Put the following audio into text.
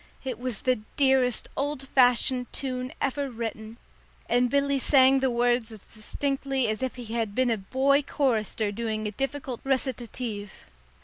It was the dearest old fashioned tune ever written, and Billy sang the words as distinctly as if he had been a boy chorister doing a difficult recitative.